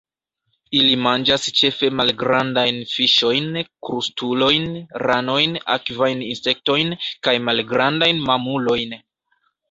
Ili manĝas ĉefe malgrandajn fiŝojn, krustulojn, ranojn, akvajn insektojn, kaj malgrandajn mamulojn.